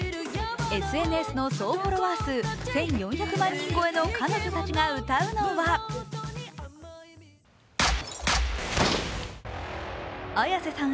ＳＮＳの総フォロワー数１４００万人超えの彼女たちが歌うのは綾瀬さん